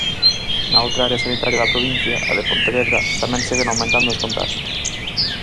Na outra área sanitaria da provincia, a de Pontevedra, tamén seguen aumentando os contaxios.